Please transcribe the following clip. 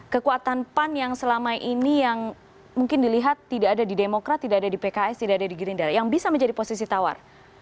kekuatan pan yang selama ini yang mungkin dilihat tidak ada di demokrat tidak ada di pks tidak ada di gerindra yang bisa menjadi posisi tawar